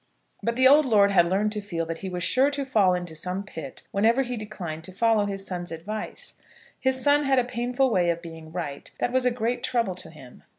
But the old lord had learned to feel that he was sure to fall into some pit whenever he declined to follow his son's advice. His son had a painful way of being right that was a great trouble to him.